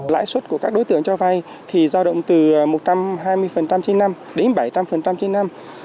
lãi suất của các đối tượng cho vay thì giao động từ một trăm hai mươi trên năm đến bảy trăm linh trên năm